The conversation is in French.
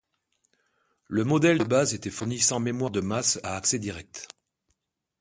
Le modèle de base était fourni sans mémoire de masse à accès direct.